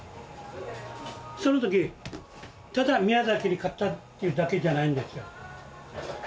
その時ただ宮崎に勝ったっていうだけじゃないんですよ。